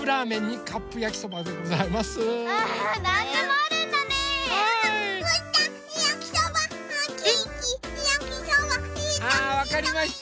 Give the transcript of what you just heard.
あわかりました。